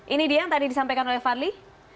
ini dia yang tadi disampaikan oleh fadli